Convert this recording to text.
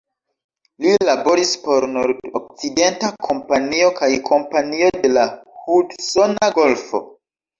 Li laboris por Nord-Okcidenta Kompanio kaj Kompanio de la Hudsona Golfo.